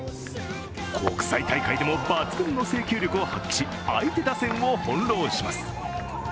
国際大会でも抜群の制球力を発揮し、相手打線を翻弄します。